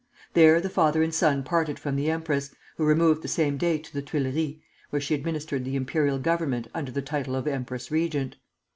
There the father and son parted from the empress, who removed the same day to the Tuileries, where she administered the imperial government under the title of empress regent.